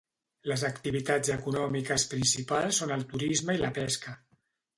Les activitats econòmiques principals són el turisme i la pesca.